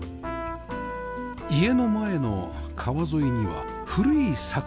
家の前の川沿いには古い桜並木